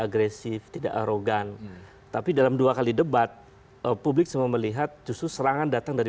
agresif tidak arogan tapi dalam dua kali debat publik semua melihat justru serangan datang dari